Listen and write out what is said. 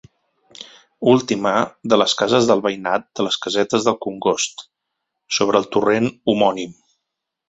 Última de les cases del veïnat de les Casetes del Congost, sobre el torrent homònim.